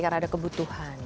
karena ada kebutuhan